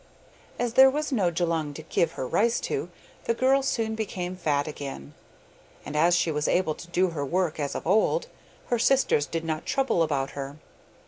As there was no Djulung to give her rice to, the girl soon became fat again, and as she was able to do her work as of old, her sisters did not trouble about her.